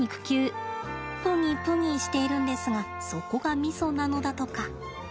プニプニしているんですがそこがミソなのだとか。